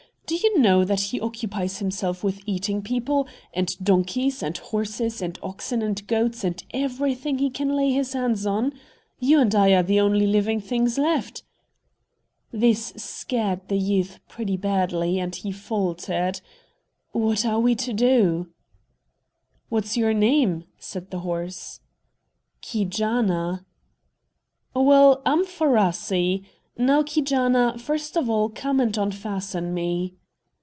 Do you know that he occupies himself with eating people, and donkeys, and horses, and oxen and goats and everything he can lay his hands on? You and I are the only living things left." This scared the youth pretty badly, and he faltered, "What are we to do?" "What's your name?" said the horse. "Keejaanaa." "Well, I'm Faaraa'see. Now, Keejaanaa, first of all, come and unfasten me."